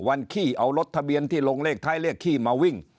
ขี้เอารถทะเบียนที่ลงเลขท้ายเลขขี้มาวิ่ง